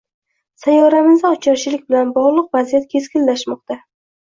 Sayyoramizda ocharchilik bilan bog‘liq vaziyat keskinlashmoqdang